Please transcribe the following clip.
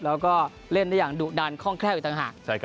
แล้วก็เล่นได้อย่างดุดันคล่องแคล่วอีกต่างหาก